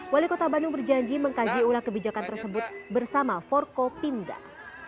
wali kota bandung berjanji mengkaji ulang kebijakan tersebut bersama forkopimda